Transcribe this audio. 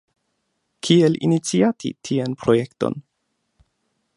Kiel iniciati tian projekton?